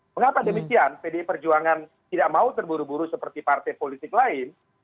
mengapa demikian pdi perjuangan tidak mau terburu buru seperti partai politik lain